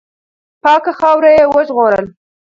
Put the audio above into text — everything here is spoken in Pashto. پاکه خاوره یې وژغورله.